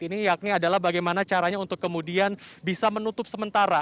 ini yakni adalah bagaimana caranya untuk kemudian bisa menutup sementara